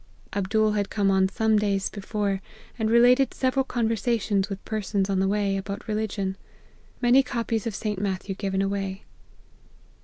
Abdool had come on some days before, and related several conversations with persons on the way, about re ligion. Many copies of St. Matthew given away.